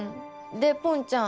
でぽんちゃん。